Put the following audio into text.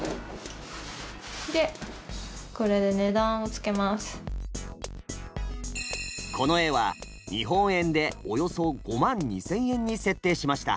早速この絵は日本円でおよそ５万２，０００円に設定しました。